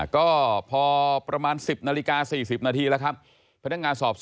ก็พอประมาณสิบนาฬิกา๔๐นาทีแล้วครับ